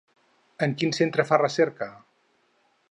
En quin centre fa recerca?